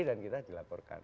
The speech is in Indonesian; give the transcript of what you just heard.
dan kita dilaporkan